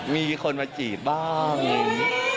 มีคนมาจีดบ้าง